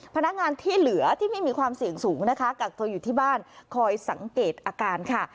พนักงานที่เหลือที่ไม่มีความเสี่ยงสูงนะคะกักตัวอยู่ที่บ้านคอยสังเกตอาการค่ะ